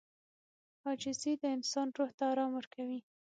• عاجزي د انسان روح ته آرام ورکوي.